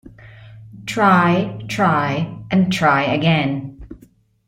Try, try, and try again.